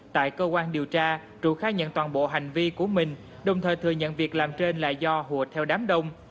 tại cơ quan điều tra trự khai nhận toàn bộ hành vi của mình đồng thời thừa nhận việc làm trên là do hùa theo đám đông